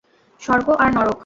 স্বর্গ আর নরক।